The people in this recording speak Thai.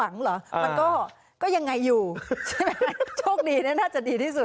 เหรอมันก็ยังไงอยู่ใช่ไหมโชคดีเนี่ยน่าจะดีที่สุด